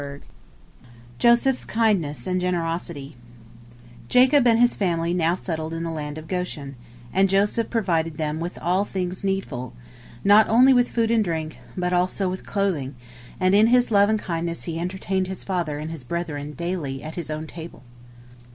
JOSEPH'S KINDNESS AND GENEROSITY Jacob and his family now settled in the land of Goshen, and Joseph provided them with all things needful, not only with food and drink, but also with clothing, and in his love and kindness he entertained his father and his brethren daily at his own table.